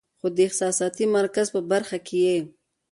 خو د احساساتي مرکز پۀ برخه کې ئې